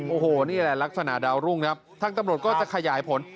โอ้โหนี่แหละลักษณะดาวรุ่งครับทางตำรวจก็จะขยายผล